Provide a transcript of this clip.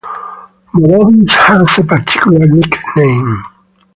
Morovis has a particular nickname.